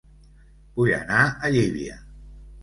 Vull anar a Llívia